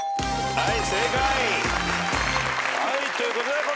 はい！